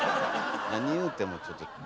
何言うてもちょっと。